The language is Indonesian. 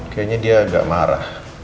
kayanya dia agak marah